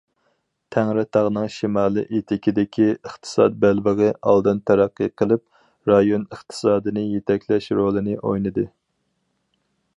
تەڭرىتاغنىڭ شىمالىي ئېتىكىدىكى ئىقتىساد بەلبېغى ئالدىن تەرەققىي قىلىپ، رايون ئىقتىسادىنى يېتەكلەش رولىنى ئوينىدى.